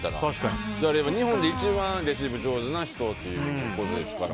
だから日本で一番レシーブ上手な人ってことですから。